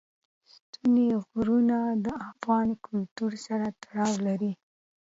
ستوني غرونه د افغان کلتور سره تړاو لري.